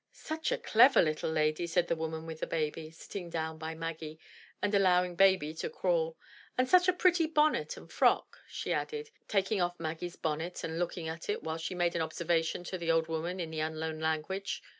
"Such a clever little lady, said the woman with the baby, sitting down by Maggie, and allowing baby to crawl; and such a pretty bonnet and frock,'* she added, taking off Maggie's bonnet and looking at it while she made an observation to the old woman in the unknown language.